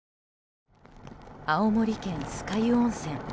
青森県酸ヶ湯温泉。